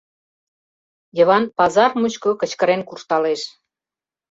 Йыван пазар мучко кычкырен куржталеш: